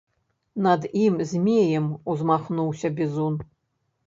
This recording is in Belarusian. Над ім змеем узмахнуўся бізун.